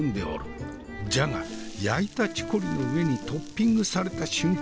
じゃが焼いたチコリの上にトッピングされた瞬間